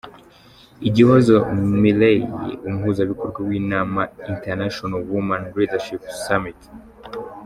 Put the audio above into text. Igihozo Miley umuhuzabikorwa w'inama 'International Women Leadership Summit' .